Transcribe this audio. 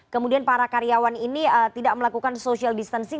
kemudian para karyawan ini tidak melakukan social distancing